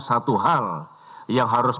satu hal yang harus